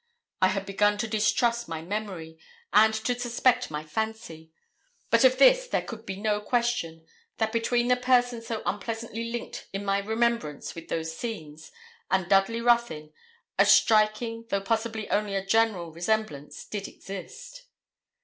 I had begun to distrust my memory, and to suspect my fancy; but of this there could be no question, that between the person so unpleasantly linked in my remembrance with those scenes, and Dudley Ruthyn, a striking, though possibly only a general resemblance did exist.